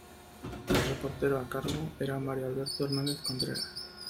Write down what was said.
El reportero a cargo era Mario Alberto Hernández Contreras.